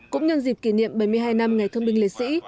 cũng nhân dịp kỷ niệm bảy mươi hai năm ngày thương binh liệt sĩ